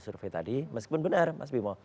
survei tadi meskipun benar mas bimo